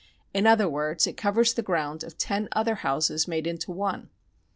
In other words, it covers the ground of ten other houses made into one.